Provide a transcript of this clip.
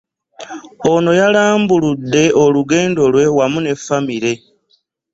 Ono yalambuludde olugendo lwe wamu ne Famire